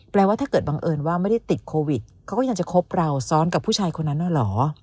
ว่าถ้าเกิดบังเอิญว่าไม่ได้ติดโควิดเขาก็ยังจะคบเราซ้อนกับผู้ชายคนนั้นน่ะเหรอ